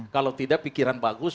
kalau tidak pikiran bagus